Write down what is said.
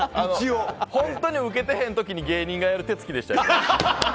本当にウケてへん時に芸人がやる手つきでしたね。